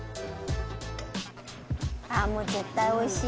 ああもう絶対おいしい。